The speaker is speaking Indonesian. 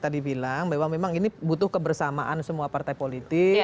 tadi bilang bahwa memang ini butuh kebersamaan semua partai politik